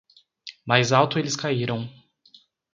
Mais alto eles caíram.